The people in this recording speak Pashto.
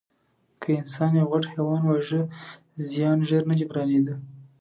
که انسان یو غټ حیوان واژه، زیان ژر نه جبرانېده.